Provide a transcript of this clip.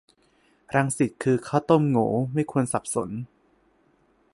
รังสิตคือข้าวต้มโหงว ไม่ควรสับสน